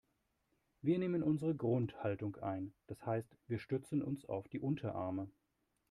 Wir nehmen unsere Grundhaltung ein, das heißt wir stützen uns auf die Unterarme.